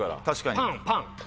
確かに。